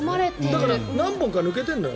だから何本か抜けてるんだよ